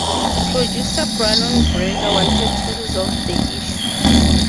Producer Brannon Braga wanted to resolve the issue.